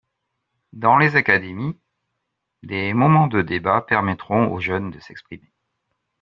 Dans les académies, des moments de débat permettront aux jeunes de s’exprimer.